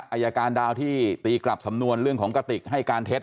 อาจารย์ดาวที่ตีกลับสำนวนเรื่องของกระติกให้การเท็จ